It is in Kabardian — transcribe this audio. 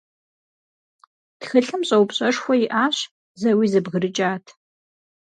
Тхылъым щӀэупщӀэшхуэ иӀащ, зэуи зэбгрыкӀат.